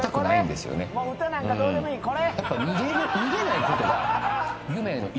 歌なんかどうでもいいこれ。